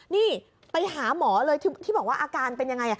นี่ไปหาหมอเลยที่บอกว่าอาการเป็นยังไง